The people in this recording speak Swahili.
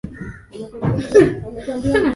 Kwenye miti hakuna wajenzi